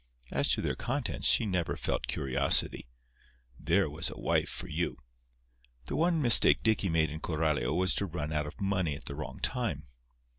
As to their contents she never felt curiosity. There was a wife for you! The one mistake Dicky made in Coralio was to run out of money at the wrong time.